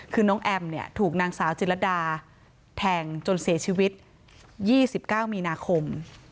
คือน้องแอมเนี่ยถูกนางสาวจิลดาแทงจนเสียชีวิต๒๙มีนาคม